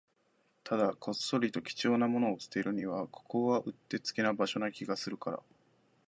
ただ、こっそりと貴重なものを捨てるには、ここはうってつけな場所な気がするから